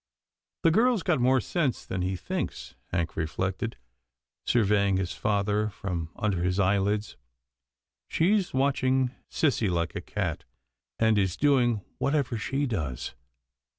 The girl's got more sense than he thinks," Hank reflected, surveying his father from under his eyelids. " She's watching sissy like a cat, and is doing whatever she does.